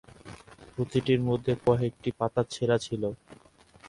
পুঁথিটির মধ্যে কয়েকটি পাতা ছেড়া ছিল।